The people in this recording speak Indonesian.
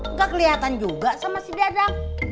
nggak kelihatan juga sama si dada